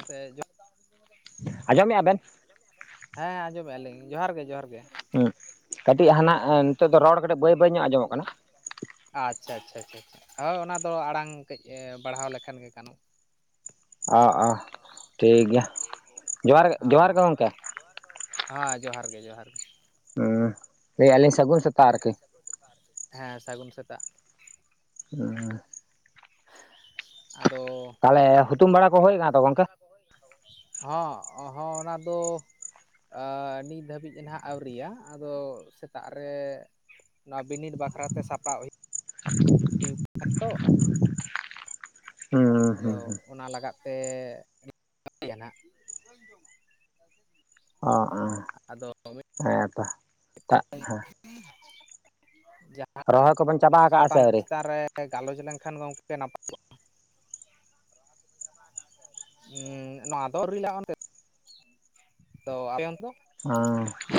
ᱚᱠᱚᱭ [unintelligible] ᱟᱸᱡᱚᱢᱮᱭᱟᱼᱟ, ᱵᱮᱱ ᱦᱮᱸ ᱟᱸᱡᱚᱢᱮᱭᱟ ᱞᱤᱧ, ᱡᱚᱦᱟᱨ ᱜᱮ ᱡᱚᱦᱟᱨ ᱜᱮ᱾ ᱦᱩᱸ, ᱠᱟᱹᱴᱤᱡ ᱦᱟᱱᱟ-ᱟ ᱱᱤᱛᱚᱜ ᱫᱚ ᱨᱚᱲ ᱠᱟᱹᱴᱤᱡ ᱵᱟᱹᱭ ᱵᱟᱹᱭ ᱧᱚᱜ ᱟᱸᱡᱚᱢᱚᱜ ᱠᱟᱱᱟ᱾ ᱟᱪᱪᱷᱟ ᱟᱪᱪᱷᱟ ᱟᱪᱪᱷᱟ ᱟᱪᱪᱷᱟ ᱦᱳᱭ ᱚᱱᱟ ᱫᱚ ᱟᱲᱟᱝ ᱠᱟᱹᱡ ᱵᱟᱲᱦᱟᱣ ᱞᱮᱠᱷᱟᱱ ᱜᱮ ᱜᱟᱱᱚᱜ-ᱟ᱾ ᱚ ᱚ ᱴᱷᱤᱠ ᱜᱮᱭᱟ, ᱡᱚᱦᱟᱨ ᱡᱚᱦᱟᱨ ᱦᱚᱸ ᱜᱮ ᱜᱚᱢᱠᱮ᱾ ᱦᱮᱸ ᱡᱚᱦᱟᱨ ᱜᱮ ᱡᱚᱦᱟᱨ ᱜᱮ ᱡᱚᱦᱟᱨ ᱜᱮ᱾ ᱦᱩᱸ ᱞᱮᱭᱮᱫ ᱟᱞᱤᱧ ᱥᱟᱹᱜᱩᱱ ᱥᱮᱛᱟᱜ᱾ ᱟᱨᱠᱤ ᱦᱮᱸ ᱥᱟᱹᱜᱩᱱ ᱥᱮᱛᱟᱜ᱾ ᱦᱩᱸ ᱟᱫᱚ ᱛᱟᱦᱚᱞᱮ ᱦᱩᱛᱩᱢ ᱵᱟᱲᱟ ᱠᱚ ᱦᱩᱭ ᱟᱠᱟᱱᱟ ᱛᱚ ᱜᱚᱢᱠᱮ? ᱦᱚᱸ ᱦᱚᱸ ᱚᱱᱟ ᱫᱚ ᱟ ᱱᱤᱛ ᱫᱷᱟᱹᱵᱤᱡ ᱱᱟᱦᱟᱜ ᱟᱹᱣᱨᱤᱭᱟ, ᱟᱫᱚ ᱥᱮᱛᱟᱜ ᱨᱮ ᱱᱚᱣᱟ ᱵᱤᱱᱤᱰ ᱵᱟᱠᱷᱨᱟ ᱛᱮ ᱥᱟᱯᱲᱟᱣ ᱦᱩᱭᱩᱜ ᱠᱟᱱᱟ ᱛᱚ᱾ ᱦᱩᱸ ᱟᱫᱚ ᱦᱩᱸ ᱦᱩᱸ ᱚᱱᱟ ᱞᱟᱜᱟᱫ ᱛᱮ [unintelligible] ᱚ ᱦᱮᱸ ᱟᱫᱚ ᱦᱮᱸᱛᱚ ᱛᱟᱜ ᱦᱮᱸ᱾ ᱡᱟᱦᱟᱸ ᱨᱚᱦᱚᱭ ᱠᱚᱵᱮᱱ ᱪᱟᱵᱟ ᱠᱟᱜᱼᱟ ᱥᱮ ᱥᱟᱛᱟᱢ ᱟᱹᱣᱨᱤ? ᱪᱮᱛᱟᱱ ᱨᱮ ᱜᱟᱞᱚᱪ ᱞᱮᱱᱠᱷᱟᱱ ᱜᱚᱝᱠᱮ ᱱᱟᱯᱟᱭ ᱠᱚᱜᱼᱟ? ᱦᱚᱸ ᱱᱚᱣᱟ ᱫᱚ ᱟᱨᱤᱞᱟᱝ ᱚᱱᱛᱮ ᱛᱚ ᱟᱯᱮ ᱚᱱᱛᱮ ᱫᱚ? ᱦᱮᱸ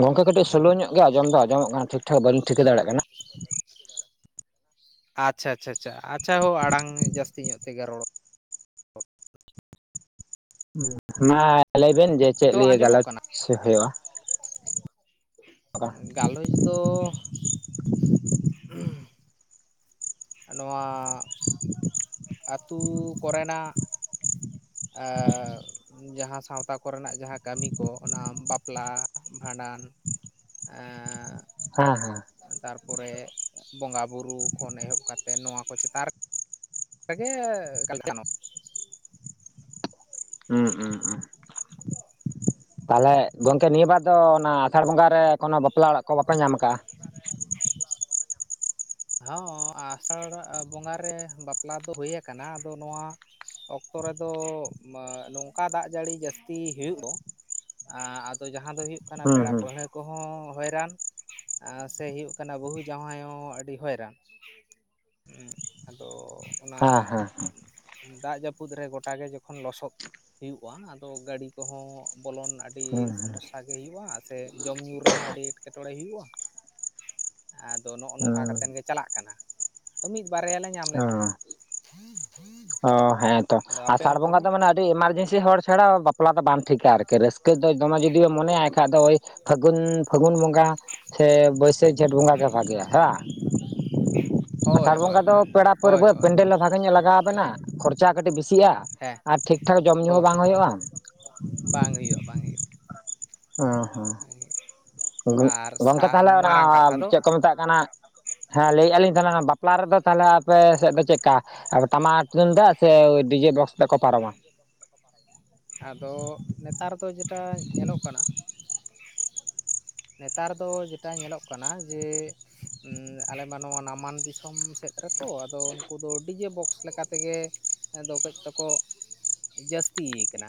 ᱜᱚᱢᱠᱮ ᱠᱟᱴᱤᱡ ᱥᱚᱞᱳ ᱧᱚᱜ ᱜᱮ ᱟᱸᱡᱚᱢ ᱫᱚ ᱟᱡᱚᱢᱚᱜ ᱠᱟᱱᱟ, ᱴᱷᱤᱠ ᱴᱷᱟᱠ ᱵᱟᱹᱞᱤᱧ ᱴᱷᱤᱠᱟᱹ ᱫᱟᱲᱮᱭᱟᱜ ᱠᱟᱱᱟ᱾ ᱟᱪᱪᱷᱟ ᱟᱪᱪᱷᱟ ᱟᱪᱪᱷᱟ ᱟᱪᱪᱷᱟ ᱦᱳ ᱟᱲᱟᱝ ᱡᱟᱹᱥᱛᱤ ᱧᱚᱜ ᱛᱮᱜᱮ ᱨᱚᱲ ᱢᱟ ᱞᱟᱹᱭ ᱵᱮᱱ ᱡᱮ ᱪᱮᱫ ᱱᱤᱛᱚᱜ ᱞᱤᱭᱟᱹ ᱟᱸᱡᱚᱢᱚᱜ ᱜᱟᱞᱚᱪ ᱠᱟᱱᱟ ᱦᱩᱭᱩᱜᱼᱟ? ᱜᱟᱞᱚᱪ ᱫᱚ [unintelligible] ᱱᱚᱣᱟ ᱟᱹᱛᱩ ᱠᱚᱨᱮᱱᱟᱜ ᱦᱮᱸᱻ ᱡᱟᱦᱟᱸ ᱥᱟᱶᱛᱟ ᱠᱚᱨᱮᱱᱟᱜ ᱡᱟᱦᱟᱸ ᱠᱟᱹᱢᱤ ᱠᱚ, ᱚᱱᱟ ᱵᱟᱯᱞᱟ, ᱵᱷᱟᱸᱰᱟᱱ ᱦᱮᱸ ᱦᱮᱸ ᱦᱮᱸ ᱛᱟᱨ ᱯᱚᱨᱮ ᱵᱚᱸᱜᱟ ᱵᱩᱨᱩ ᱠᱷᱚᱱ ᱮᱦᱚᱵ ᱠᱟᱛᱮᱫ, ᱱᱚᱣᱟ ᱠᱚ ᱪᱮᱛᱟᱱ ᱨᱮ ᱚᱱᱟ ᱜᱮ ᱮᱠᱟᱞ ᱜᱟᱱᱚᱜ ᱦᱩᱸ ᱦᱩᱸ ᱦᱩᱸ [inaudible] ᱛᱟᱦᱚᱞᱮ ᱜᱚᱝᱠᱮ ᱱᱤᱭᱟᱹ ᱵᱟᱨ ᱫᱚ ᱚᱱᱟ ᱟᱥᱟᱲ ᱵᱚᱸᱜᱟ ᱨᱮ ᱠᱚᱱᱚ ᱵᱟᱯᱞᱟ ᱚᱲᱟᱜ ᱠᱚ ᱵᱟᱯᱮ ᱧᱟᱢ ᱟᱠᱟᱜᱼᱟ? [inaudible] ᱦᱚᱸ ᱟᱥᱟᱲ ᱵᱚᱸᱜᱟ ᱨᱮ ᱵᱟᱯᱞᱟ ᱫᱚ ᱦᱩᱭ ᱟᱠᱟᱱᱟ᱾ ᱟᱫᱚ ᱱᱚᱣᱟ ᱚᱠᱛᱚ ᱨᱮᱫᱚ ᱱᱚᱝᱠᱟ ᱫᱟᱜ ᱡᱟᱹᱲᱤ ᱡᱟᱹᱥᱛᱤ ᱦᱩᱭᱩᱜ ᱫᱚ ᱟᱫᱚ ᱡᱟᱦᱟᱸ ᱫᱚ ᱦᱩᱭᱩᱜ ᱠᱟᱱᱟ ᱦᱩᱸ ᱯᱮᱲᱟ ᱦᱩᱸ ᱯᱟᱹᱲᱦᱟᱹ ᱠᱚᱦᱚᱸ ᱦᱚᱭᱨᱟᱱ ᱥᱮ ᱦᱩᱭᱩᱜ ᱠᱟᱱᱟ ᱵᱟᱹᱦᱩ ᱡᱟᱶᱭᱟᱭ ᱦᱚᱸ ᱟᱹᱰᱤ ᱦᱚᱭᱨᱟᱱ ᱦᱩᱸ, ᱟᱫᱚ ᱚᱱᱟ ᱦᱮᱸ ᱦᱮᱸ ᱫᱟᱜ ᱡᱟᱹᱯᱩᱫ ᱨᱮ ᱜᱚᱴᱟ ᱜᱮ ᱡᱚᱠᱷᱚᱱ ᱞᱚᱥᱚᱫ ᱦᱩᱭᱩᱜᱼᱟ ᱟᱫᱚ ᱜᱟᱹᱰᱤ ᱠᱚᱦᱚᱸ ᱵᱚᱞᱚᱱ ᱟᱹᱰᱤ ᱥᱚᱢᱚᱥᱥᱟ ᱜᱮ ᱦᱩᱭᱩᱜᱼᱟ᱾ ᱥᱮ ᱡᱚᱢ ᱧᱩ ᱨᱮᱦᱚᱸ ᱟᱹᱰᱤ ᱮᱴᱠᱮᱴᱚᱬᱮ ᱦᱩᱭᱩᱜᱼᱟ᱾ ᱟᱫᱚ ᱱᱚᱜᱼᱚ ᱱᱚᱝᱠᱟ ᱦᱩᱸ ᱠᱟᱛᱮᱱ ᱜᱮ ᱪᱟᱞᱟᱜ ᱠᱟᱱᱟ᱾ ᱢᱤᱫ ᱵᱟᱨᱭᱟ ᱞᱮ ᱧᱟᱢ ᱞᱮᱫ ᱦᱩᱸ ᱛᱟᱦᱮᱸᱫ᱾ ᱚ ᱦᱮᱸ ᱛᱚ ᱟᱫᱚ ᱟᱯᱮ ᱟᱥᱟᱟᱲ ᱚᱱᱛᱮ ᱵᱚᱸᱜᱟ ᱫᱚ ᱢᱟᱱᱮ ᱟᱹᱰᱤ ᱮᱢᱟᱨᱡᱮᱱᱥᱤ ᱦᱚᱲ ᱪᱷᱟᱲᱟ ᱵᱟᱯᱞᱟ ᱫᱚ ᱵᱟᱝ ᱴᱷᱤᱠᱟ ᱟᱨᱠᱤ, ᱨᱟᱹᱥᱠᱟᱹ ᱠᱟᱺᱡ ᱫᱚ ᱫᱚᱢᱮ ᱡᱩᱫᱤᱭᱳ ᱢᱚᱱᱮᱭᱟᱭ ᱠᱷᱟᱡ ᱫᱚ ᱳᱭ ᱯᱷᱟᱹᱜᱩᱱ, ᱯᱷᱟᱹᱜᱩᱱ ᱵᱚᱸᱜᱟ ᱥᱮ ᱵᱟᱹᱭᱥᱟᱹᱠᱷ ᱡᱷᱮᱸᱴ ᱵᱚᱸᱜᱟ ᱜᱮ ᱵᱷᱟᱜᱮᱭᱟ ᱦᱮᱸ ᱵᱟ? ᱦᱳᱭ ᱟᱥᱟᱲ ᱵᱚᱸᱜᱟ ᱦᱳᱭ ᱫᱚ ᱦᱳᱭ ᱦᱳᱭ ᱯᱮᱲᱟ ᱦᱳᱭ ᱯᱟᱹᱨᱵᱷᱟᱹᱫ ᱯᱮᱱᱰᱮᱹᱞ ᱦᱚᱸ ᱵᱷᱟᱜᱤ ᱧᱚᱜ ᱞᱟᱜᱟᱣᱟᱵᱮᱱᱟ, ᱠᱷᱚᱨᱚᱪ ᱪᱟ ᱠᱟᱹᱴᱤᱡ ᱵᱤᱥᱤᱜᱼᱟ ᱦᱮᱸ ᱟᱨ ᱴᱷᱤᱠ ᱴᱷᱟᱠ ᱡᱚᱢ ᱧᱩ ᱦᱚᱸ ᱦᱳᱭ ᱵᱟᱝ ᱦᱩᱭᱩᱜᱼᱟ᱾ ᱵᱟᱝ ᱦᱩᱭᱩᱜᱼᱟ, ᱵᱟᱝ ᱦᱩᱭᱩᱜᱼᱟ᱾ ᱦᱮᱸ ᱦᱮᱸ᱾ ᱵᱟᱝ ᱦᱩᱭᱩᱜᱼᱟ ᱜᱚᱜ ᱟᱨ ᱥᱟ ᱜᱚᱝᱠᱮ ᱛᱟᱦᱞᱮ ᱚᱱᱟ ᱢᱟᱨᱟᱝ ᱠᱟᱛᱷᱟ ᱫᱚ ᱪᱮᱫ ᱠᱚ ᱢᱮᱛᱟᱜ ᱠᱟᱱᱟ ᱦᱮᱸ ᱞᱟᱹᱭᱮᱜᱼᱟ ᱞᱤᱧ ᱵᱟᱯᱞᱟ ᱨᱮᱫᱚ ᱛᱟᱦᱞᱮ ᱟᱯᱮ ᱥᱮᱫ ᱫᱚ ᱪᱮᱫᱠᱟ ᱴᱟᱢᱟᱠ ᱛᱩᱢᱫᱟᱜ ᱥᱮ ᱰᱤᱡᱮ ᱵᱚᱠᱥ? ᱛᱮᱠᱚ ᱯᱟᱨᱚᱢᱟ? ᱥᱮ ᱰᱤᱡᱮ ᱵᱚᱠᱥ? ᱟᱫᱚ ᱱᱮᱛᱟᱨ ᱫᱚ ᱡᱮᱴᱟ ᱧᱮᱞᱚᱜ ᱠᱟᱱᱟ ᱱᱮᱛᱟᱨ ᱫᱚ ᱡᱮᱴᱟ ᱧᱮᱞᱚᱜ ᱠᱟᱱᱟ ᱡᱮ ᱟᱞᱮ ᱢᱟ ᱱᱚᱣᱟ ᱢᱟᱱ ᱫᱤᱥᱚ ᱥᱚᱢ ᱥᱮᱫ ᱨᱮᱛᱚ, ᱟᱫᱚ ᱩᱱᱠᱩ ᱫᱚ ᱰᱤᱡᱮ ᱵᱚᱠᱥ ᱞᱮᱠᱟ ᱛᱮᱜᱮ ᱟᱫᱚ ᱠᱟᱺᱡ ᱛᱚᱠᱚ ᱡᱟᱹᱥᱛᱤᱭ ᱠᱟᱱᱟ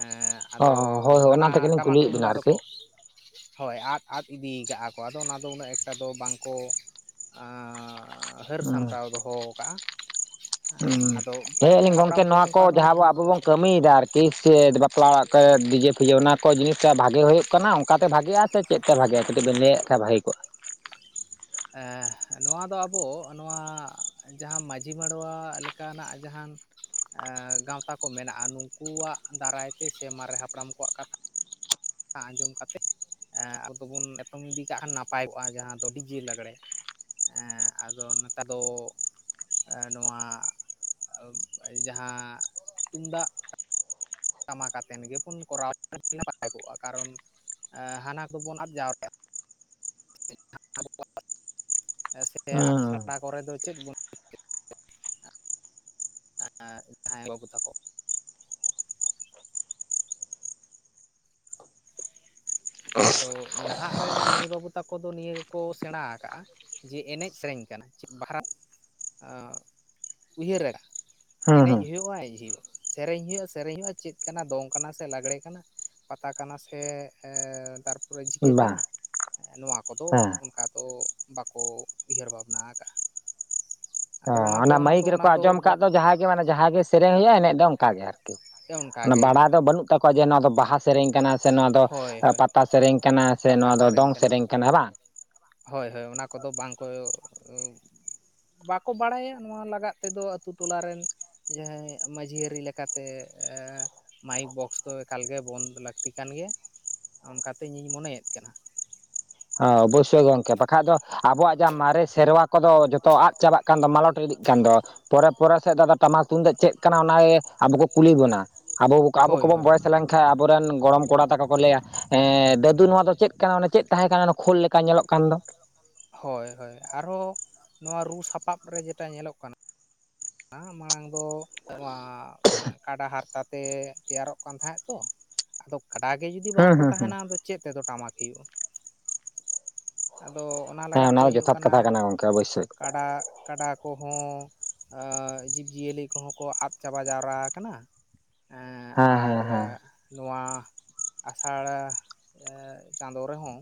ᱮᱸᱻ ᱚ ᱟᱫᱚ ᱦᱳᱭ ᱦᱳᱭ ᱚᱱᱟ ᱦᱟᱱᱟ ᱛᱮᱜᱮᱞᱤᱧ ᱴᱟᱢᱟᱠ ᱠᱩᱞᱤᱭᱮᱫ ᱵᱤᱱᱟ ᱛᱩᱢᱫᱟᱜ ᱫᱚ ᱟᱨᱠᱤ ᱠᱚ ᱦᱳᱭ ᱟᱫ ᱟᱫ ᱤᱫᱤᱭ ᱠᱟᱜᱼᱟ ᱠᱚ ᱟᱫᱚ ᱚᱱᱟ ᱫᱚ ᱩᱱᱟᱹᱜ ᱮᱠᱴᱟ ᱫᱚ ᱵᱟᱝᱠᱚ ᱟᱸᱻ ᱦᱟᱹᱨ ᱦᱩᱸ ᱥᱟᱢᱴᱟᱣ ᱫᱚᱦᱚ ᱠᱟᱜᱼᱟ᱾ ᱟᱫᱚ ᱦᱮᱸ ᱯᱟᱹᱦᱤᱞ ᱟᱹᱞᱤᱧ ᱜᱚᱝᱠᱮ ᱦᱟᱯᱲᱟᱢ ᱱᱚᱣᱟ ᱠᱚᱦᱚᱸ ᱠᱚ ᱚᱱᱠᱟᱱ ᱦᱚᱸ ᱡᱟᱦᱟᱸ ᱵᱚ ᱵᱟᱹᱱᱩᱜ ᱟᱵᱚ ᱠᱚᱣᱟ ᱵᱚᱱ ᱥᱮ ᱠᱟᱹᱢᱤᱭ ᱫᱟ ᱟᱨ ᱠᱤ ᱪᱮᱫ ᱵᱟᱯᱞᱟ ᱚᱲᱟᱜ ᱠᱚ ᱰᱤᱡᱮ ᱯᱷᱤᱡᱮ ᱚᱱᱟ ᱠᱚ ᱡᱤᱱᱤᱥ ᱵᱷᱟᱜᱮ ᱦᱩᱭᱩᱜ ᱠᱟᱱᱟ ᱚᱝᱠᱟᱛᱮ ᱵᱷᱟᱜᱤᱜᱼᱟ? ᱥᱮ ᱪᱮᱫ ᱛᱮ ᱵᱷᱟᱜᱮᱜᱼᱟ? ᱠᱟᱹᱴᱤᱡ ᱵᱮᱱ ᱞᱟᱹᱭᱟᱜ ᱠᱷᱟᱡ ᱵᱷᱟᱹᱜᱤ ᱠᱚᱜᱼᱟ᱾ ᱮᱸᱻ ᱱᱚᱣᱟ ᱫᱚ ᱟᱵᱚ ᱱᱚᱣᱟ ᱡᱟᱦᱟᱸ ᱢᱟᱹᱡᱷᱤ ᱢᱚᱰᱚᱣᱟ ᱞᱮᱠᱟᱱᱟᱜ ᱡᱟᱸᱦᱟᱱ ᱮᱸᱻ ᱜᱟᱶᱛᱟ ᱠᱚ ᱢᱮᱱᱟᱜᱼᱟ ᱱᱩᱝᱠᱩᱣᱟᱜ ᱫᱟᱨᱟᱭ ᱛᱮ ᱥᱮ ᱢᱟᱨᱮ ᱦᱟᱯᱲᱟᱢ ᱠᱚᱣᱟᱜ ᱠᱟᱛᱷᱟ ᱟᱸᱡᱚᱢ ᱠᱟᱛᱮᱜ ᱮᱸᱻ ᱟᱫᱚ ᱵᱚᱱ ᱮᱛᱚᱢ ᱤᱫᱤ ᱠᱟᱜ ᱠᱷᱟᱱ ᱱᱟᱯᱟᱭ ᱠᱚᱜᱼᱟ ᱡᱟᱦᱟᱸ ᱫᱚ ᱰᱤᱡᱮ ᱞᱟᱜᱽᱲᱮ᱾ ᱮᱸᱜ ᱟᱫᱚ ᱱᱮᱛᱟᱨ ᱫᱚ ᱮᱸᱻ ᱱᱚᱣᱟ ᱡᱟᱦᱟᱸ ᱛᱩᱢᱫᱟᱜ ᱴᱟᱢᱟ ᱠᱟᱛᱮᱱ ᱜᱮᱵᱚᱱ ᱠᱚᱨᱟᱣ ᱞᱮᱱᱠᱷᱟᱱ ᱱᱟᱯᱟᱭ ᱠᱚᱜ ᱟ᱾ ᱠᱟᱨᱚᱱ ᱦᱟᱱᱟ ᱠᱚᱵᱚᱱ ᱟᱫ ᱡᱟᱣᱨᱟ [unintelligible] ᱟᱵᱚᱣᱟᱜ ᱥᱮ ᱦᱩᱸ ᱟᱠᱷᱲᱟ ᱠᱚᱨᱮ ᱫᱚ ᱪᱮᱫ ᱵᱚᱱ ᱮᱸᱜ ᱡᱟᱦᱟᱸᱭ ᱢᱟᱹᱭ ᱵᱟᱹᱵᱩ ᱛᱟᱠᱚ ᱟᱫᱚ ᱱᱟᱦᱟᱜ ᱨᱮᱱ ᱢᱟᱹᱭ ᱵᱟᱹᱵᱩ ᱛᱟᱠᱚ ᱫᱚ ᱱᱤᱭᱟᱹ ᱜᱮᱠᱚ ᱥᱮᱬᱟ ᱟᱠᱟᱜᱼᱟ᱾ ᱡᱮ ᱮᱱᱮᱡ ᱥᱮᱨᱮᱧ ᱠᱟᱱᱟ ᱪᱮᱫ ᱵᱟᱠᱷᱨᱟ ᱩᱭᱦᱟᱹᱨ ᱨᱮ ᱮᱱᱮᱡ ᱦᱩᱸ ᱦᱩᱭᱩᱜᱼᱟ ᱮᱱᱮᱡ ᱦᱩᱭᱩᱜᱼᱟ ᱥᱮᱨᱮᱧ ᱦᱩᱭᱩᱜᱼᱟ ᱥᱮᱨᱮᱧ ᱦᱩᱭᱩᱜᱼᱟ ᱪᱮᱫ ᱠᱟᱱᱟ ᱫᱚᱝ ᱠᱟᱱᱟ ᱥᱮ ᱞᱟᱜᱽᱲᱮ ᱠᱟᱱᱟ ᱯᱟᱛᱟ ᱠᱟᱱᱟ ᱥᱮ ᱮᱸ ᱛᱟᱨᱯᱚᱨᱮ ᱡᱷᱤᱠᱟᱹ ᱦᱩᱸ ᱵᱟᱝ ᱠᱟᱱᱟ ᱱᱚᱣᱟ ᱠᱚᱫᱚ ᱦᱮᱸ ᱚᱱᱠᱟ ᱫᱚ ᱵᱟᱠᱚ ᱩᱭᱦᱟᱹᱨ ᱵᱷᱟᱵᱱᱟ ᱠᱟᱜᱼᱟ᱾ ᱚᱱᱮ ᱢᱟᱹᱭᱤᱠ ᱨᱮᱠᱚ ᱟᱸᱡᱚᱢ ᱠᱫ ᱫᱚ ᱡᱟᱦᱟᱸᱜᱮ ᱢᱟᱱᱮ ᱡᱟᱦᱟᱸᱜᱮ ᱥᱮᱨᱮᱧ ᱦᱩᱭᱩᱜᱼᱟ ᱮᱱᱮᱡ ᱫᱚ ᱚᱱᱠᱟᱜ ᱜᱮ ᱟᱨᱠᱤ᱾ ᱥᱮ ᱚᱱᱠᱟ ᱚᱱᱟ ᱜᱮ ᱵᱟᱲᱟᱭ ᱟᱹᱭᱠᱟᱹᱣ ᱫᱚ ᱵᱟᱹᱱᱩᱜ ᱛᱟᱠᱚᱣᱟ ᱡᱮ ᱱᱚᱣᱟ ᱫᱚ ᱵᱟᱦᱟ ᱥᱮᱨᱮᱧ ᱠᱟᱱᱟ ᱥᱮ ᱱᱚᱣᱟ ᱫᱚ ᱦᱳᱭ ᱦᱳᱭ ᱯᱟᱛᱟ ᱥᱮᱨᱮᱧ ᱠᱟᱱᱟ ᱥᱮ ᱱᱚᱣᱟ ᱫᱚ ᱫᱚᱝ ᱥᱮᱨᱮᱧ ᱠᱟᱱᱟ, ᱦᱮᱸ ᱵᱟᱝ? ᱦᱳᱭ ᱦᱳᱭ ᱚᱱᱟ ᱠᱚᱫᱚ ᱵᱟᱝ ᱠᱚ ᱵᱟᱠᱚ ᱵᱟᱲᱟᱭᱟ ᱱᱚᱣᱟ ᱞᱟᱜᱟᱫ ᱛᱮᱫᱚ ᱟᱛᱳ ᱴᱚᱞᱟ ᱨᱮᱱ᱾ ᱡᱟᱦᱟᱸᱭ ᱢᱟᱹᱡᱷᱤ ᱟᱹᱨᱤ ᱞᱮᱠᱟᱛᱮ ᱮᱻ ᱢᱟᱭᱤᱠ ᱵᱚᱠᱥ ᱫᱚ ᱮᱠᱟᱞᱜᱮ ᱵᱚᱸᱫᱽ ᱞᱟᱹᱠᱛᱤ ᱠᱟᱱ ᱜᱮᱭᱟ᱾ ᱚᱱᱠᱟᱛᱮ ᱤᱧᱤᱧ ᱢᱚᱱᱮᱭᱮᱫ ᱠᱟᱱᱟ᱾ ᱦᱚᱸ ᱚᱵᱚᱥᱥᱳᱭ ᱜᱚᱝᱠᱮ ᱵᱟᱠᱷᱟᱡ ᱫᱚ ᱟᱵᱚᱣᱟᱜ ᱡᱟᱦᱟᱸ ᱢᱟᱨᱮ ᱥᱮᱨᱣᱟ ᱠᱚᱫᱚ ᱡᱷᱚᱛᱚ ᱟᱫ ᱪᱟᱵᱟᱜ ᱠᱟᱱ ᱫᱚ ᱢᱟᱞᱚᱴ ᱤᱫᱤᱜ ᱠᱟᱱ ᱫᱚ, ᱯᱚᱨᱮ ᱯᱚᱨᱮ ᱥᱮᱫ ᱟᱫᱚ ᱴᱟᱢᱟᱠ ᱛᱩᱢᱫᱟᱹᱜ ᱪᱮᱫ ᱠᱟᱱᱟ ᱚᱱᱟᱜᱮ ᱟᱵᱚ ᱠᱚ ᱠᱩᱞᱤ ᱵᱚᱱᱟ ᱾ ᱟᱵᱚ ᱟᱵᱚ ᱦᱳᱭ ᱠᱚᱵᱚᱱ ᱦᱳᱭ ᱵᱚᱭᱮᱥ ᱞᱮᱱ ᱠᱷᱟᱱ ᱟᱵᱚᱨᱮᱱ ᱜᱚᱲᱚᱢ ᱠᱚᱲᱟ ᱛᱟᱠᱚ ᱠᱚ ᱞᱟ ᱭᱟ ᱫᱟᱹᱫᱩ ᱱᱚᱣᱟ ᱫᱚ ᱪᱮᱫ ᱠᱟᱱᱟ ᱚᱱᱮ ᱪᱮᱫ ᱛᱟᱦᱮᱸ ᱠᱟᱱᱟ ᱚᱱᱟ ᱠᱷᱳᱞ ᱞᱮᱠᱟ ᱧᱮᱞᱚᱜ ᱠᱟᱱ ᱫᱚ ᱦᱳᱭ ᱦᱳᱭ ᱾ ᱟᱨᱦᱚᱸ ᱱᱚᱣᱟ ᱨᱩ ᱥᱟᱯᱟᱵ ᱨᱮ ᱡᱮᱴᱟ ᱧᱮᱞᱚᱜ ᱠᱟᱱᱟ ᱚᱱᱟ ᱢᱟᱲᱟᱝ ᱫᱚ ᱱᱚᱣᱟ ᱠᱟᱰᱟ ᱦᱟᱨᱛᱟ ᱛᱮ ᱛᱮᱭᱟᱨᱚᱜ ᱠᱟᱱ ᱛᱟᱦᱮᱸᱫ ᱛᱚ ᱟᱫᱚ ᱠᱟᱰᱟ ᱜᱮ ᱡᱩᱫᱤ ᱵᱟᱝ ᱦᱩᱸ ᱠᱚ ᱦᱩᱸ ᱦᱩᱸ ᱛᱟᱦᱮᱱᱟ ᱟᱫᱚ ᱪᱮᱫ ᱛᱮᱫᱚ ᱴᱟᱢᱟᱠ ᱦᱩᱭᱩᱜᱼᱟ᱾ ᱟᱫᱚ ᱚᱱᱟ ᱦᱮᱸ ᱞᱟᱜᱟᱫ ᱛᱮ ᱫᱚ ᱦᱩᱭᱩᱜ ᱡᱚᱛᱷᱟᱛ ᱠᱟᱱᱟ ᱠᱟᱛᱷᱟ ᱜᱚᱝᱠᱮ ᱚᱵᱚᱥᱥᱳᱭ ᱠᱟᱰᱟ ᱠᱟᱰᱟ ᱠᱚ ᱦᱚᱸ ᱡᱤᱵᱽ ᱡᱤᱭᱟᱹᱞᱤ ᱠᱚᱦᱚᱸ ᱠᱚ ᱟᱫ ᱪᱟᱵᱟ ᱡᱟᱣᱨᱟ ᱠᱟᱱᱟ ᱦᱮᱸ ᱟᱨ ᱦᱮᱸ ᱦᱮᱸ ᱱᱚᱣᱟ ᱟᱸᱥᱟᱲ ᱪᱟᱸᱫᱳ ᱨᱮᱦᱚᱸ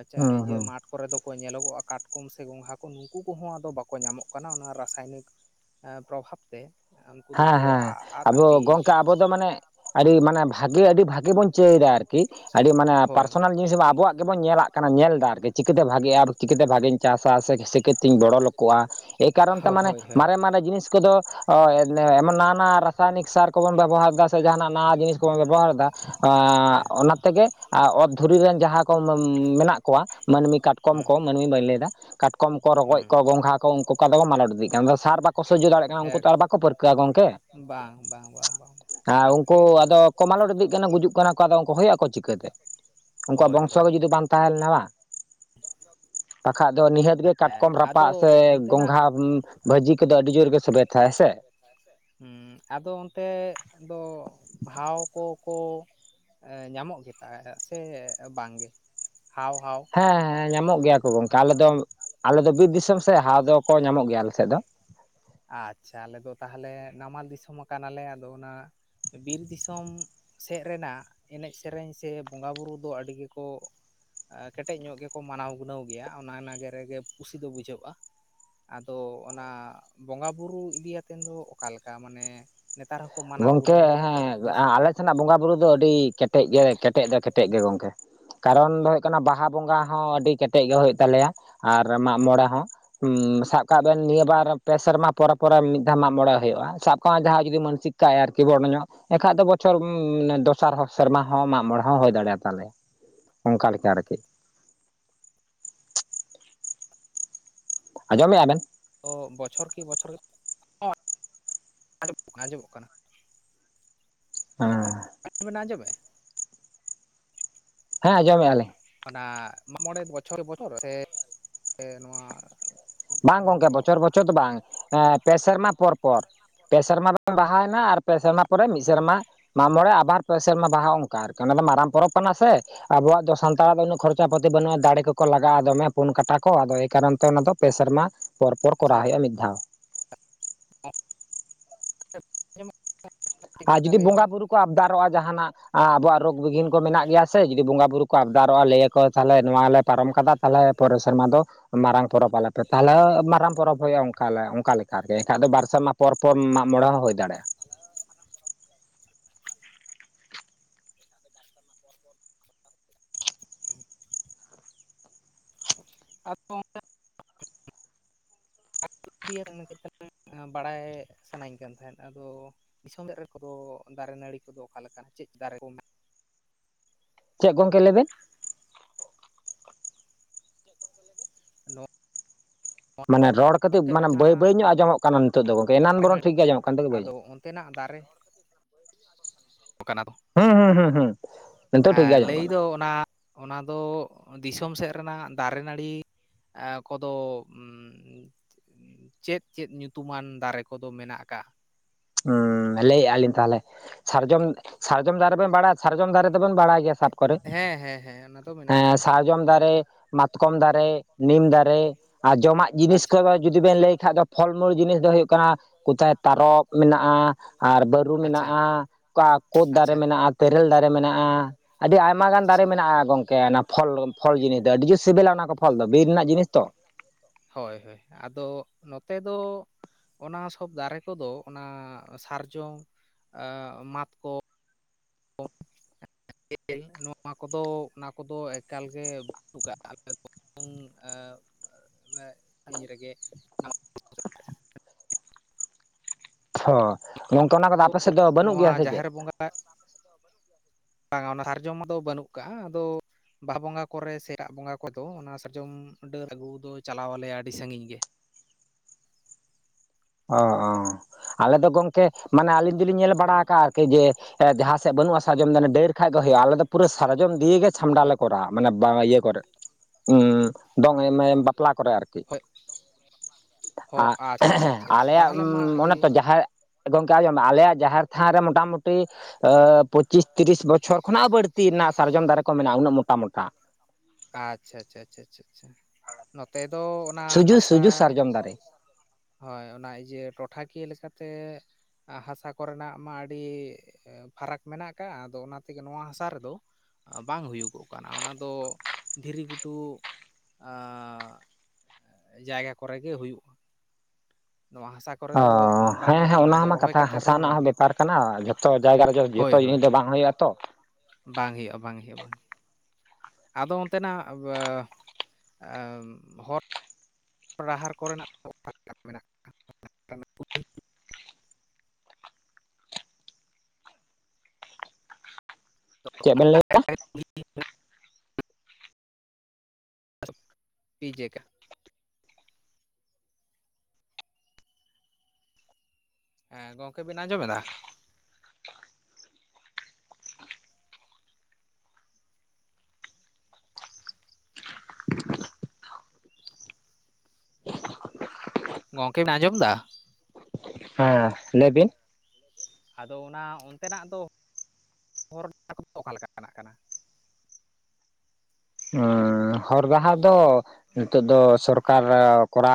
ᱟᱪᱪᱷᱟ ᱦᱩᱸ ᱤᱭᱟᱹ ᱦᱩᱸ ᱢᱟᱴᱷ ᱠᱚᱨᱮ ᱫᱚ ᱠᱚ ᱧᱮᱞᱚᱜᱚᱜᱼᱟ, ᱠᱟᱴᱠᱚᱢ ᱥᱮ ᱜᱚᱜᱷᱟ ᱠᱚ ᱱᱩᱠᱩ ᱠᱚᱦᱚᱸ ᱟᱫᱚ ᱵᱟᱠᱚ ᱧᱟᱢᱚᱜ ᱠᱟᱱᱟ᱾ ᱚᱱᱟ ᱨᱟᱥ-ᱼ [unintelligible] ᱯᱨᱚᱵᱷᱟᱵᱽ ᱛᱮ ᱩᱱᱠᱩ ᱦᱮᱸ ᱫᱚᱠᱚ ᱦᱮᱸ ᱟᱫ ᱟᱵᱚ ᱦᱟᱹᱯᱤᱭ ᱜᱚᱝᱠᱮ ᱠᱟᱱᱟ ᱟᱵᱚ ᱫᱚ ᱢᱟᱱᱮ ᱟᱹᱰᱤ ᱢᱟᱱᱮ ᱵᱷᱟᱜᱮ ᱟᱹᱰᱤ ᱵᱷᱟᱜᱮ ᱵᱚᱱ ᱪᱟᱹᱭ ᱮᱫᱟ ᱟᱨᱠᱤ ᱟᱹᱰᱤ ᱢᱟᱱᱮ ᱦᱳᱭ ᱯᱟᱨᱥᱚᱱᱟᱞ ᱡᱤᱱᱤᱥ ᱟᱵᱚᱣᱟᱜ ᱜᱮᱵᱚᱱ ᱧᱮᱞᱟᱜ ᱠᱟᱱᱟ ᱧᱮᱞ ᱮᱫᱟ ᱟᱨᱠᱤ ᱪᱤᱠᱟᱹᱛᱮ ᱵᱷᱟᱜᱤ ᱟᱨ ᱪᱤᱠᱟᱹᱛᱮ ᱵᱷᱟᱜᱮ ᱪᱟᱥᱟ ᱥᱮ ᱥᱮᱠᱟᱛᱤᱧ ᱵᱚᱲᱚ ᱞᱳᱠᱳᱜᱼᱟ ᱮᱭ ᱠᱟᱨᱚᱱ ᱛᱮ ᱚᱱᱟ ᱢᱟᱱᱮ ᱢᱟᱨᱮ ᱢᱟᱨᱮ ᱡᱤᱱᱤᱥ ᱠᱚᱫᱚ ᱮᱢᱚᱱ ᱱᱟᱣᱟ ᱱᱟᱣᱟ ᱨᱟᱥᱟᱭᱱᱤᱠ ᱥᱟᱨ ᱠᱚᱵᱚᱱ ᱵᱮᱵᱚᱦᱟᱨ ᱫᱟ, ᱥᱮ ᱡᱟᱦᱟᱱᱟᱜ ᱱᱟᱣᱟ ᱡᱤᱱᱤᱥ ᱠᱚᱵᱚᱱ ᱵᱮᱵᱚᱦᱟᱨ ᱫᱟ ᱚᱱᱟ ᱛᱮᱜᱮ ᱚᱛ ᱫᱷᱩᱨᱤ ᱨᱮᱱ ᱡᱟᱦᱟᱸ ᱠᱚ ᱢᱮᱱᱟᱜ ᱠᱚᱣᱟ ᱢᱟᱹᱱᱢᱤ ᱠᱟᱴ ᱠᱚᱢ ᱦᱮᱸ ᱠᱚ ᱢᱟᱹᱱᱢᱤ ᱵᱟᱹᱧ ᱞᱟᱹᱭ ᱫᱟ ᱠᱟᱴᱠᱚᱢ ᱠᱚ ᱨᱚᱠᱚᱡᱽ ᱦᱮᱸ ᱠᱚ ᱜᱚᱸᱜᱷᱟ ᱩᱱᱠᱩ ᱚᱝᱠᱟ ᱫᱚ ᱠᱚ ᱢᱟᱞᱚᱴ ᱤᱫᱤᱜ ᱠᱟᱱᱟ᱾ ᱥᱟᱨ ᱵᱟᱠᱚ ᱥᱚᱡᱡᱚ ᱫᱟᱲᱮᱭᱟᱜ ᱠᱟᱱᱟ ᱩᱱᱠᱩ ᱮᱠ ᱛᱚ ᱟᱨ ᱵᱟᱠᱚ ᱯᱟᱹᱨᱠᱟᱹᱜᱟ ᱜᱚᱢᱠᱮ ᱦᱮᱸ ᱵᱟᱝ ᱵᱟᱝ ᱵᱟᱝ ᱵᱟᱝ ᱮᱠᱟᱞ ᱩᱱᱠᱩ ᱛᱮᱜᱮ ᱟᱫᱚ ᱠᱚ ᱢᱟᱞᱚᱴ ᱤᱫᱤᱜ ᱠᱟᱱᱟ, ᱜᱩᱡᱩᱜ ᱠᱟᱱᱟ ᱠᱚ ᱟᱫᱚ ᱩᱱᱠᱩ ᱦᱩᱭᱩᱜ ᱟᱠᱚ ᱪᱤᱠᱟ ᱛᱮ? ᱩᱱᱠᱩᱣᱟᱜ ᱦᱳᱭ ᱵᱚᱝᱥᱚ ᱦᱳᱭ ᱜᱮ ᱡᱩᱫᱤ ᱵᱟᱝ ᱛᱟᱦᱮᱸ ᱞᱮᱱᱟ ᱵᱟᱝ ᱵᱟᱠᱷᱟᱡ ᱫᱚ ᱱᱤᱦᱟᱹᱛ ᱜᱮ ᱠᱟᱴᱠᱚᱢ ᱟᱫᱚ ᱨᱟᱯᱟᱜ ᱥᱮ ᱚᱱᱛᱮᱱᱟᱜ ᱜᱚᱜᱷᱟ ᱵᱷᱟᱡᱤ ᱠᱚᱫᱚ ᱟᱹᱰᱤ ᱡᱳᱨ ᱜᱮ ᱥᱮᱵᱮᱞ ᱛᱟᱦᱮᱸ ᱦᱮᱸ ᱥᱮ? ᱦᱮᱸ ᱟᱫᱚ ᱚᱱᱛᱮ ᱫᱚ ᱦᱟᱣ ᱠᱚ ᱠᱚ ᱧᱟᱢᱚᱜ ᱜᱮ ᱛᱟᱦᱮᱜ-ᱟ ᱥᱮ ᱵᱟᱝ ᱜᱮ ᱦᱟᱣ ᱦᱟᱣ? ᱦᱮᱸ ᱦᱮᱸ ᱧᱟᱢᱚᱜ ᱜᱮᱭᱟ ᱠᱚ ᱜᱚᱝᱠᱮ, ᱟᱞᱮ ᱫᱚ ᱵᱤᱨ ᱫᱤᱥᱚᱢ ᱥᱮ ᱦᱟᱣ ᱫᱚᱠᱚ ᱧᱟᱢᱚᱜ ᱜᱮᱭᱟ ᱟᱞᱮᱥᱮᱫ ᱫᱚ ᱾ ᱟᱪᱪᱷᱟ ᱟᱞᱮᱫ ᱫᱚ ᱛᱟᱦᱚᱞᱮ ᱱᱟᱢᱟᱞ ᱫᱤᱥᱚᱢ ᱠᱟᱱᱟᱞᱮ ᱟᱫᱚ ᱚᱱᱟ ᱵᱤᱨ ᱫᱤᱥᱚᱢ ᱥᱮᱫ ᱨᱮᱱᱟᱜ ᱮᱱᱮᱡ ᱥᱮᱨᱮᱧ ᱥᱮ ᱵᱚᱸᱜᱟ ᱵᱩᱨᱩ ᱫᱚ ᱟᱹᱰᱤ ᱜᱮᱠᱚ ᱠᱮᱴᱮᱡ ᱧᱚᱜ ᱜᱮᱠᱚ ᱠᱚ ᱢᱟᱱᱟᱣ ᱜᱩᱱᱟᱹᱣ ᱜᱮᱭᱟ, ᱚᱱᱟ ᱱᱟᱜᱮ ᱨᱮᱜᱮ ᱠᱩᱥᱤ ᱫᱚ ᱵᱩᱡᱷᱟᱹᱜᱼᱟ᱾ ᱟᱫᱚ ᱚᱱᱟ ᱵᱚᱸᱜᱟ ᱵᱩᱨᱩ ᱤᱫᱤ ᱟᱛᱮᱫ ᱫᱚ ᱚᱠᱟ ᱞᱮᱠᱟ ᱢᱟᱱᱮ ᱱᱮᱛᱟᱨ ᱦᱚᱸ ᱠᱚ ᱢᱟᱱᱟᱣ ᱜᱚᱝᱠᱮ ᱜᱩᱱᱟᱹᱣ ᱜᱮᱭᱟ ᱛᱚ ᱦᱮᱸ ᱡᱟᱹᱥᱛᱤ ᱟᱞᱮ ᱥᱮᱱᱟᱜ ᱵᱚᱸᱜᱟ ᱵᱩᱨᱩ ᱫᱚ ᱟᱹᱰᱤ ᱠᱮᱴᱮᱡ ᱜᱮ ᱠᱮᱴᱮᱡ ᱫᱚ ᱠᱮᱴᱮᱡ ᱜᱮ ᱜᱚᱝᱠᱮ᱾ ᱠᱟᱨᱚᱱ ᱫᱚ ᱦᱩᱭᱩᱜ ᱠᱟᱱᱟ ᱵᱟᱦᱟ ᱵᱚᱸᱜᱟ ᱦᱚᱸ ᱟᱹᱰᱤ ᱠᱮᱴᱮᱡ ᱜᱮ ᱦᱩᱭᱩᱜ ᱛᱟᱞᱮᱭᱟ ᱟᱨ ᱢᱟᱜᱽ ᱢᱚᱬᱮ ᱦᱚᱸ ᱥᱟᱵ ᱠᱟᱜ ᱵᱮᱱ ᱱᱤᱭᱟᱹ ᱵᱟᱨ ᱯᱮ ᱥᱮᱨᱢᱟ ᱯᱚᱨᱮ ᱯᱚᱨᱮ ᱢᱤᱫ ᱫᱷᱟᱣ ᱢᱟᱜᱽ ᱢᱚᱬᱮ ᱦᱩᱭᱩᱜᱼᱟ᱾ ᱥᱟᱵ ᱠᱟᱜ ᱢᱮ ᱡᱟᱦᱟᱸᱭ ᱡᱩᱫᱤ ᱢᱟᱹᱱᱥᱤᱠ [unintelligible] ᱮᱱᱠᱷᱟᱡ ᱫᱚ ᱵᱚᱪᱷᱚᱨ ᱫᱚᱥᱟᱨ ᱦᱚᱸ ᱥᱮᱨᱢᱟ ᱦᱚᱸ ᱢᱟᱜᱽ ᱢᱚᱬᱮ ᱦᱚᱸ ᱦᱩᱭ ᱫᱟᱲᱮᱭᱟᱛᱟᱞᱮ᱾ ᱚᱱᱠᱟ ᱞᱮᱠᱟ ᱟᱨᱠᱤ ᱟᱸᱡᱚᱢᱮᱭᱟ ᱟᱵᱮᱱ? ᱛᱚ ᱵᱚᱪᱷᱚᱨ ᱠᱤ ᱵᱚᱪᱷᱚᱨ [unintelligible] ᱟᱸᱡᱚᱢᱚᱜ ᱠᱟᱱᱟ᱾ ᱦᱮᱸ [unintelligible] ᱵᱮᱱ ᱟᱡᱚᱢᱮ-ᱟ ᱦᱮᱸ ᱟᱸᱡᱚᱢᱮᱭᱟ ᱞᱮ ᱚᱱᱟ ᱢᱟᱜᱽ ᱢᱚᱬᱮ ᱵᱚᱪᱷᱚᱨ ᱵᱚᱪᱷᱚᱨ ᱥᱮ ᱱᱚᱣᱟ ᱵᱟᱝ ᱜᱚᱝᱠᱮ ᱵᱚᱪᱷᱚᱨ ᱵᱚᱪᱷᱚᱨ ᱫᱚ ᱵᱟᱝ, ᱮᱻ ᱯᱮ ᱥᱮᱨᱢᱟ ᱯᱚᱨ ᱯᱚᱨ ᱾ ᱯᱮ ᱥᱮᱨᱢᱟ ᱵᱮᱱ ᱵᱟᱦᱟ ᱮᱱᱟ, ᱟᱨ ᱯᱮ ᱥᱮᱨᱢᱟ ᱯᱚᱨᱮ ᱢᱤᱫ ᱥᱮᱨᱢᱟ ᱢᱟᱜᱽ ᱢᱚᱬᱮ ᱟᱵᱟᱨ ᱯᱮ ᱥᱮᱨᱢᱟ ᱵᱟᱦᱟ ᱚᱱᱠᱟ ᱟᱨᱠᱤ ᱚᱱᱟ ᱫᱚ ᱢᱟᱨᱟᱝ ᱯᱚᱨᱚᱵᱽ ᱠᱟᱱᱟ ᱥᱮ ᱾ ᱟᱵᱚᱣᱟᱜ ᱫᱚ ᱥᱟᱱᱛᱟᱲᱟᱜ ᱫᱚ ᱩᱱᱟᱹᱜ ᱠᱷᱚᱨᱪᱟ ᱯᱟᱹᱛᱤ ᱵᱟᱹᱱᱩᱜᱼᱟ, ᱫᱟᱲᱮ ᱠᱚᱠᱚ ᱞᱟᱜᱟᱜᱼᱟ ᱫᱚᱢᱮ ᱯᱩᱱ ᱠᱟᱴᱟ ᱠᱚ ᱟᱫᱚ ᱮᱭ ᱠᱟᱨᱚᱱ ᱛᱮ ᱚᱱᱟ ᱫᱚ ᱯᱮ ᱥᱮᱨᱢᱟ ᱯᱚᱨ ᱯᱚᱨ ᱟᱪᱪᱷᱟ ᱠᱚᱨᱟᱣ ᱦᱩᱭᱩᱜᱼᱟ ᱢᱤᱫ ᱫᱷᱟᱣ ᱾ ᱴᱷᱤᱠ ᱟᱨ ᱞᱮᱠᱟ ᱡᱩᱫᱤ ᱞᱟᱹᱭ ᱵᱚᱸᱜᱟ ᱵᱤᱱ ᱵᱩᱨᱩ ᱠᱚ ᱟᱵᱫᱟᱨᱚᱜᱼᱟ, ᱡᱟᱦᱟ ᱱᱟᱜ ᱟᱵᱚᱣᱟᱜ ᱨᱚᱜᱽ ᱵᱤᱜᱷᱤᱱ ᱠᱚ ᱢᱮᱱᱟᱜ ᱜᱮᱭᱟ ᱥᱮ ᱡᱩᱫᱤ ᱵᱚᱸᱜᱟ ᱵᱩᱨᱩ ᱠᱚ ᱟᱵᱫᱟᱨᱚᱜᱼᱟ ᱞᱟᱹᱭᱟ ᱠᱚ ᱛᱟᱦᱚᱞᱮ ᱱᱚᱣᱟ ᱞᱮ ᱯᱟᱨᱚᱢ ᱠᱟᱫᱟ, ᱛᱟᱦᱚᱞᱮ ᱯᱚᱨᱮ ᱥᱮᱨᱢᱟ ᱫᱚ ᱢᱟᱨᱟᱝ ᱯᱚᱨᱚᱵᱽ ᱟᱞᱮ ᱛᱮ ᱛᱟᱦᱚᱞᱮ ᱢᱟᱨᱟᱝ ᱯᱚᱨᱚᱵᱽ ᱦᱩᱭᱩᱜᱼᱟ, ᱚᱱᱠᱟ ᱞᱮ ᱚᱱᱠᱟ ᱞᱮᱠᱟ ᱛᱮ ᱟᱨᱠᱤ ᱮᱱᱠᱷᱟ ᱫᱚ ᱵᱟᱨ ᱥᱮᱨᱢᱟ ᱯᱚᱨ ᱯᱚᱨ ᱢᱟᱜᱽ ᱢᱚᱬᱮ ᱦᱚᱸ ᱦᱩᱭ ᱫᱟᱲᱮᱭᱟᱜᱼᱟ᱾ [unintelligible] [inaudible] [inaudible] [unintelligible] [inaudible] [unintelligible] ᱵᱟᱲᱟᱭ ᱥᱟᱱᱟᱧ ᱠᱟᱱ ᱛᱟᱦᱮᱸᱫ ᱟᱫᱚ ᱫᱤᱥᱚᱢ [unintelligible] ᱠᱚᱫᱚ ᱫᱟᱨᱮ ᱱᱟᱹᱲᱤ ᱠᱚᱫᱚ ᱚᱠᱟᱮ ᱞᱮᱠᱟ ᱪᱮᱫ ᱫᱟᱨᱮ ᱠᱚ ᱪᱮᱫ ᱜᱚᱝᱠᱮ ᱞᱟᱹᱭ ᱵᱮᱱ? ᱪᱮᱫ [unintelligible] ᱢᱟᱱᱮ ᱨᱚᱲ ᱠᱟᱛᱮᱫ ᱢᱟᱱᱮ ᱵᱟᱹᱭ ᱡᱟᱦᱟᱸ ᱵᱟᱹᱭ ᱧᱚᱜ ᱟᱸᱡᱚᱢᱚᱜ ᱠᱟᱱᱟ, ᱱᱤᱛᱚᱜ ᱫᱚ ᱜᱚᱝᱠᱮ ᱮᱱᱟᱝ ᱵᱚᱱ ᱴᱷᱤᱠ ᱜᱮ ᱟᱸᱢᱚᱜ ᱠᱟᱱ ᱛᱮᱜᱮ [unintelligible] ᱱᱚ ᱛᱮᱱᱟᱜ ᱫᱟᱨᱮ [unintelligible] ᱦᱮᱸ ᱦᱩᱸ ᱦᱩᱸ ᱦᱩᱸ ᱱᱤᱛᱚᱜ ᱴᱷᱤᱠ ᱜᱮ ᱟᱸᱡᱚᱢᱚᱜ ᱞᱟᱹᱭ ᱠᱟᱱᱟ ᱫᱚ ᱚᱱᱟ ᱚᱱᱟ ᱫᱚ ᱫᱤᱥᱚᱢ ᱥᱮᱫ ᱨᱮᱱᱟᱜ ᱫᱟᱨᱮ ᱱᱟᱹᱲᱤ ᱮᱻ ᱠᱚᱫᱚ ᱪᱮᱫ ᱪᱮᱫ ᱧᱩᱛᱩᱢᱟᱱ ᱫᱟᱨᱮ ᱠᱚᱫᱚ ᱢᱮᱱᱟᱜ ᱟᱠᱟᱜ-ᱟ? ᱩᱸ ᱞᱟᱹᱭᱮᱜ-ᱟ ᱞᱤᱧ ᱛᱟᱦᱚᱞᱮ ᱥᱟᱨᱡᱚᱢ ᱥᱟᱨᱡᱚᱢ ᱫᱟᱨᱮ ᱵᱮᱱ ᱵᱟᱲᱟᱭ ᱥᱟᱨᱡᱚᱢ ᱫᱟᱨᱮ ᱫᱚ ᱵᱮᱱ ᱵᱟᱲᱟᱭ ᱜᱮᱭᱟ, ᱥᱟᱛ ᱠᱚᱨᱮ ᱦᱮᱸ ᱦᱮᱸ ᱦᱮᱸ ᱚᱱᱟ ᱫᱚ ᱢᱮᱱᱟᱜ ᱟᱠᱟᱫ ᱦᱮᱸ ᱜᱮᱭᱟ ᱥᱟᱨᱡᱚᱢ ᱫᱟᱨᱮ ᱢᱟᱛᱠᱚᱢ ᱫᱟᱨᱮ ᱱᱤᱢ ᱫᱟᱨᱮ ᱟᱨ ᱡᱚᱢᱟᱜ ᱡᱤᱱᱤᱥ ᱟᱪᱪᱷᱟ ᱠᱚᱫᱚ ᱡᱩᱫᱤ ᱵᱮᱱ ᱞᱟᱹᱭ ᱠᱷᱟᱡ ᱫᱚ ᱯᱷᱚᱞ ᱢᱩᱞ ᱡᱤᱱᱤᱥ ᱫᱚ ᱦᱩᱭᱩᱜ ᱠᱟᱱᱟ ᱠᱩᱛᱷᱟᱭ ᱛᱟᱨᱚ ᱢᱮᱱᱟᱜᱼᱟ ᱟᱨ ᱵᱟᱹᱨᱩ ᱟᱪᱪᱷᱟ ᱢᱮᱱᱟᱜᱼᱟ, ᱚᱠᱟ ᱠᱳᱫᱽ ᱫᱟᱨᱮ ᱟᱪᱪᱷᱟ ᱢᱮᱱᱟᱜ ᱛᱮᱨᱮᱞ ᱫᱟᱨᱮ ᱢᱮᱱᱟᱜ-ᱟ, ᱟᱹᱰᱤ ᱟᱭᱢᱟ ᱜᱟᱱ ᱫᱟᱨᱮ ᱟᱪᱪᱷᱟ ᱢᱮᱱᱟᱜ-ᱟ ᱜᱚᱝᱠᱮ ᱚᱱᱟ ᱯᱷᱚᱞ ᱯᱷᱚᱞ ᱡᱤᱱᱤᱥ ᱫᱚ ᱟᱹᱰᱤ ᱡᱳᱨ ᱥᱤᱵᱤᱞᱟ ᱚᱱᱟ ᱠᱚ ᱯᱷᱚᱞ ᱫᱚ ᱵᱤᱨ ᱨᱮᱱᱟᱜ ᱡᱤᱱᱤᱥ ᱛᱚ ᱾ ᱦᱳᱭ ᱦᱳᱭ ᱾ ᱟᱫᱚ ᱱᱚᱛᱮ ᱫᱚ ᱚᱱᱟ ᱥᱚᱵ ᱫᱟᱨᱮ ᱠᱚᱫᱚ ᱚᱱᱟ ᱥᱟᱨᱡᱚᱢ ᱢᱟᱛᱠᱚᱢ [unintelligible] ᱱᱚᱣᱟ ᱠᱚᱫᱚ ᱚᱱᱟ ᱠᱚᱫᱚ ᱮᱠᱟᱞ ᱜᱮ ᱵᱟᱹᱱᱩᱜ ᱠᱟᱜ-ᱟ ᱟᱞᱮ ᱫᱚ [unintelligible] ᱛᱷᱚ ᱱᱚᱝᱠᱟ ᱚᱱᱟ ᱠᱚᱫᱚ ᱟᱯᱮ ᱥᱮᱫ ᱫᱚ ᱵᱟᱹᱱᱩᱜ ᱜᱮᱭᱟ ᱱᱚᱣᱟ ᱥᱮ ᱪᱮᱫ? [inaudible] ᱥᱟᱨᱡᱚᱢ ᱫᱚ ᱵᱟᱹᱱᱩᱜ ᱠᱟᱜ-ᱟ ᱟᱫᱚ ᱵᱟᱦᱟ ᱵᱚᱸᱜᱟ ᱠᱚᱨᱮ ᱥᱮ ᱮᱴᱟᱜ ᱵᱚᱸᱜᱟ ᱠᱚᱫᱚ ᱚᱱᱟ ᱥᱟᱨᱡᱚᱢ ᱰᱟᱹᱨ ᱟᱹᱜᱩ ᱫᱚ, ᱪᱟᱞᱟᱣ ᱟᱞᱮᱭᱟ ᱟᱹᱰᱤ ᱥᱟᱺᱜᱤᱧ ᱜᱮ ᱚ ᱟᱞᱮ ᱫᱚ ᱜᱚᱢᱠᱮ ᱢᱟᱱᱮ ᱟᱹᱞᱤᱧ ᱫᱩᱞᱤᱧ ᱧᱮᱞ ᱵᱟᱲᱟ ᱠᱟᱜᱼᱟ ᱟᱨᱠᱤ ᱡᱮ ᱡᱟᱦᱟᱸ ᱥᱮᱫ ᱵᱟᱹᱱᱩᱜᱼᱟ, ᱥᱟᱨᱡᱚᱢ ᱫᱚ ᱚᱱᱟ ᱰᱟᱹᱨ ᱠᱷᱟᱡ ᱜᱮ ᱦᱳᱭᱳᱜᱼᱟ, ᱟᱞᱮ ᱫᱚ ᱯᱩᱨᱟᱹ ᱥᱟᱨᱡᱚᱢ ᱫᱤᱭᱮ ᱜᱮ ᱪᱷᱟᱢᱰᱟ ᱞᱮ ᱠᱚᱨᱟ ᱢᱟᱱᱮ ᱤᱭᱟᱹ ᱠᱚᱨᱮ ᱫᱚᱝ ᱮ ᱵᱟᱯᱞᱟ ᱠᱚᱨᱮ ᱟᱨᱠᱤ ᱦᱚ ᱟᱪᱪᱷᱟ ᱟᱪᱪᱷᱟ ᱟᱪᱪᱷᱟ ᱾ ᱟᱞᱮᱭᱟᱜ ᱚᱱᱮ ᱛᱚ ᱜᱚᱝᱠᱮ ᱟᱸᱡᱚᱢ ᱢᱮ ᱟᱞᱮᱭᱟᱜ ᱡᱟᱦᱮᱨ ᱛᱷᱟᱱ ᱨᱮ ᱢᱚᱴᱟᱢᱩᱴᱤ ᱯᱚᱪᱤᱥ ᱛᱤᱨᱤᱥ ᱵᱚᱪᱷᱚᱨ ᱠᱷᱚᱱᱟᱜ ᱵᱟᱹᱲᱛᱤ ᱨᱮᱱᱟᱜ ᱥᱟᱨᱡᱚᱢ ᱫᱟᱨᱮ ᱠᱚ ᱢᱮᱱᱟᱜᱼᱟ ᱩᱱᱟᱹᱜ ᱢᱚᱴᱟ ᱢᱚᱴᱟ ᱾ ᱟᱪᱪᱷᱟ ᱟᱪᱪᱷᱟ ᱟᱪᱪᱷᱟ ᱟᱪᱪᱷᱟ ᱱᱚᱛᱮ ᱫᱚ ᱚᱱᱟ ᱥᱩᱡᱩ ᱦᱟᱥᱟ ᱥᱩᱡᱩ ᱥᱟᱨᱡᱚᱢ ᱫᱟᱨᱮ ᱦᱳᱭ ᱚᱱᱟ ᱤᱭᱟᱹ ᱴᱚᱴᱷᱟ ᱠᱤᱭᱟᱹ ᱞᱮᱠᱟᱛᱮ ᱦᱟᱥᱟ ᱠᱚᱨᱮᱱᱟᱜ ᱢᱟ ᱟᱹᱰᱤ ᱯᱷᱟᱨᱟᱠ ᱢᱮᱱᱟᱜ ᱠᱟᱜᱼᱟ ᱟᱫᱚ ᱚᱱᱟ ᱛᱮᱜᱮ ᱱᱚᱣᱟ ᱦᱟᱥᱟ ᱨᱮᱫᱚ ᱵᱟᱝ ᱦᱩᱭᱩ ᱜᱚᱜ ᱠᱟᱱᱟ, ᱚᱱᱟ ᱫᱚ ᱫᱷᱤᱨᱤ ᱜᱷᱩᱴᱩ ᱟᱻ ᱡᱟᱭᱜᱟ ᱠᱚᱨᱮ ᱜᱮ ᱦᱩᱭᱩᱜ-ᱟ ᱾ ᱱᱚᱣᱟ ᱦᱟᱥᱟ ᱚ ᱵᱟᱝ ᱦᱮᱸ ᱦᱮᱸ ᱚᱱᱟ ᱫᱚ ᱢᱟ ᱨᱚᱦᱚᱭ ᱠᱟᱛᱷᱟ ᱠᱟᱛᱮᱫ ᱦᱟᱥᱟ ᱨᱮᱦᱚᱸ ᱨᱮᱱᱟᱜ ᱦᱚᱸ ᱵᱟᱝᱞᱮ ᱵᱮᱯᱟᱨ ᱠᱚᱨᱟᱣᱟ ᱠᱟᱱᱟ, ᱡᱷᱚᱛᱚ ᱡᱟᱭᱜᱟ ᱨᱮ ᱦᱳᱭ ᱡᱷᱚᱛᱚ ᱦᱳᱭ ᱡᱤᱱᱤᱥ ᱫᱚ ᱵᱟᱝ ᱦᱩᱭᱩᱜᱼᱟ ᱛᱚ ᱾ ᱵᱟᱝ ᱦᱩᱭᱩᱜᱼᱟ ᱵᱟᱝ ᱦᱩᱭᱩᱜᱼᱟ ᱵᱟᱝ ᱟᱫᱚ ᱚᱱᱛᱮ ᱱᱟᱜ ᱦᱚᱨ ᱰᱟᱦᱟᱨ ᱠᱚᱨᱮᱱᱟᱜ ᱫᱚ [unintelligible] ᱢᱮᱱᱟᱜ ᱠᱩᱞᱦᱤ ᱪᱮᱫ ᱵᱮᱱ ᱞᱟᱹᱭ [unintelligible] [unintelligible] ᱦᱮᱸ ᱜᱚᱝᱠᱮ ᱵᱤᱱ ᱟᱸᱡᱚᱢᱮᱫᱟ? ᱜᱚᱝᱠᱮ ᱵᱮᱱ ᱟᱸᱡᱚᱢ ᱫᱟ? ᱦᱮᱸ ᱞᱟᱹᱭ ᱵᱤᱱ ᱾ ᱟᱫᱚ, ᱚᱱᱟ ᱚᱱᱛᱮᱱᱟᱜ ᱫᱚ, ᱦᱚᱨ ᱵᱟᱦᱟᱨ ᱠᱚᱫᱚ, ᱚᱠᱟ ᱞᱮᱠᱟᱱᱟᱜ ᱠᱟᱱᱟ? ᱚᱸᱻ, ᱦᱚᱨ ᱰᱟᱦᱟᱨ ᱫᱚ, ᱱᱤᱛᱚᱜ ᱫᱚ, ᱥᱚᱨᱠᱟᱨ ᱠᱚᱨᱟᱣ ᱟᱠᱟᱫ ᱾